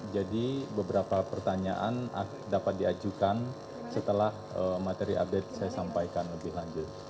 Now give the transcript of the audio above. jadi beberapa pertanyaan dapat diajukan setelah materi update saya sampaikan lebih lanjut